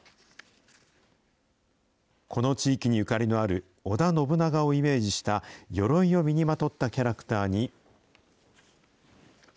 この地域にゆかりのある織田信長をイメージしたよろいを身にまとったキャラクターに。